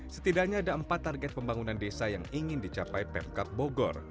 setidaknya ada empat target pembangunan desa yang ingin dicapai pemkap bogor